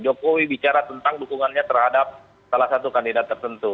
jokowi bicara tentang dukungannya terhadap salah satu kandidat tertentu